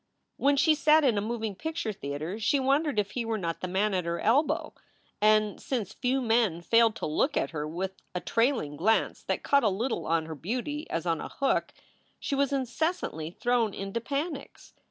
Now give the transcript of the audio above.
When she sat in a moving picture theater she wondered if he were not the man at her elbow, and, since few men failed to look at her with a trailing glance that caught a little on her beauty as on a hook, she was incessantly thrown into panics.